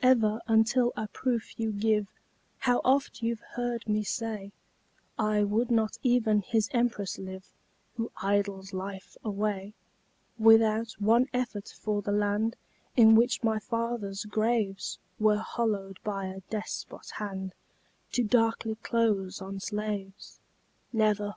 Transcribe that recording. Ever, until a proof you give How oft you've heard me say, I would not even his empress live Who idles life away, Without one effort for the land In which my fathers' graves Were hollowed by a despot hand To darkly close on slaves Never!